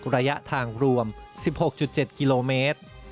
ระยะทางรวม๑๖๗กิโลเมตร